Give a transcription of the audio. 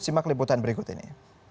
simak liputan berikut ini